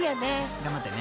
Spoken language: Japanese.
［頑張ってね］